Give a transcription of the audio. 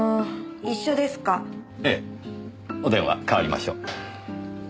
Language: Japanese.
お電話代わりましょう。